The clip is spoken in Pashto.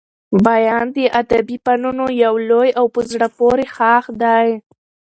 بیان د ادبي فنونو يو لوی او په زړه پوري ښاخ دئ.